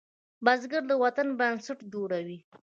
بزګر د وطن بنسټ جوړوي